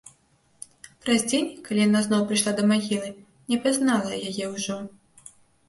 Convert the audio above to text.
Праз дзень, калі яна зноў прыйшла да магілы, не пазнала яе ўжо.